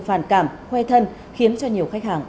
phản cảm khoe thân khiến cho nhiều khách hàng